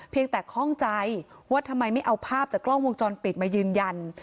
แต่ข้องใจว่าทำไมไม่เอาภาพจากกล้องวงจรปิดมายืนยัน